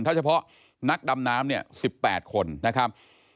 ถ้าเฉพาะนักดำน้ำเนี่ย๑๘คนนะครับ